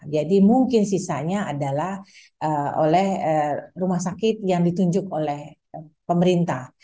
jadi mungkin sisanya adalah oleh rumah sakit yang ditunjuk oleh pemerintah